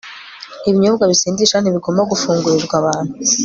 Ibinyobwa Bisindisha Ntibigomba Gufungurirwa Abantu